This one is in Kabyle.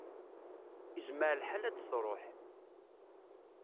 Izmer lḥal ad d-tṛuḥ.